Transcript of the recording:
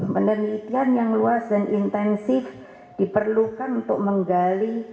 penelitian yang luas dan intensif diperlukan untuk menggali